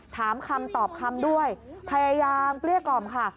ถามคำตอบคำด้วยพยายามเกลี้ยกล่อมค่ะ